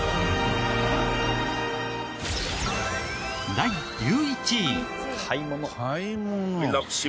第１１位。